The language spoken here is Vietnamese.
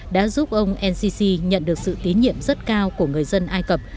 đã giúp ông ncc nhận được sự tín nhiệm rất cao của người dân ai cập